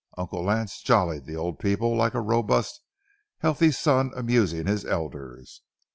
Uncle Lance jollied the old people like a robust, healthy son amusing his elders.